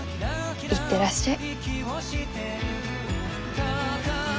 行ってらっしゃい。